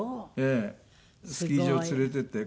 スキー場連れていって。